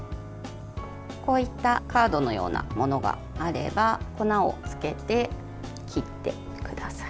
こういったカードのようなものがあれば粉をつけて、切ってください。